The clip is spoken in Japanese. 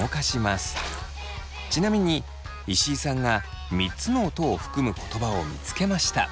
ちなみに石井さんが３つの音を含む言葉を見つけました。